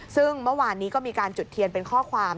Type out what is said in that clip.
ซึ่งเมื่อวานนี้ก็มีการจุดเทียนเป็นข้อความ